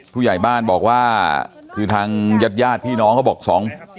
ผู้ใหญ่บ้านบอกว่าคือทางญาติญาติพี่น้องเขาบอกสอง